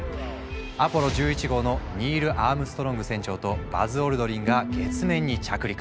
アポロ１１号のニール・アームストロング船長とバズ・オルドリンが月面に着陸。